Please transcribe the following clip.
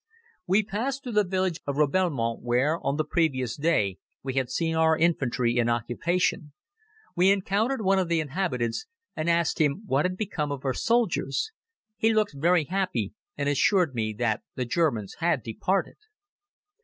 We passed through the village of Robelmont where, on the previous day, we had seen our Infantry in occupation. We encountered one of the inhabitants and asked him what had become of our soldiers. He looked very happy and assured me that the Germans had departed.